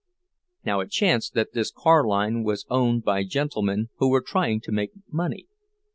Now it chanced that this car line was owned by gentlemen who were trying to make money.